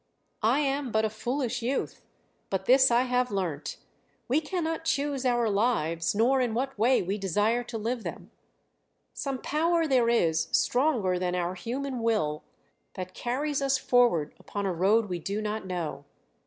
I am but a foolish youth, but this I have learnt: we cannot choose our lives nor in what way we desire to live them; some power there is stronger than our human will that carries us forward upon a road we do not know.